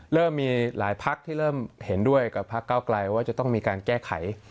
เริ่มมีหลายพักที่เริ่มเห็นด้วยกับพักเก้าไกลว่าจะต้องมีการแก้ไข